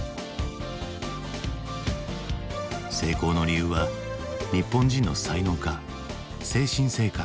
成功の理由は日本人の才能か精神性か。